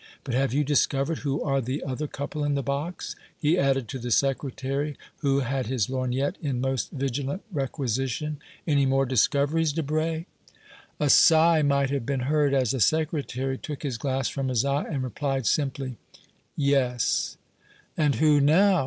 But have you discovered who are the other couple in the box?" he added to the Secretary, who had his lorgnette in most vigilant requisition. "Any more discoveries, Debray?" A sigh might have been heard as the Secretary took his glass from his eye, and replied simply: "Yes." "And who now?"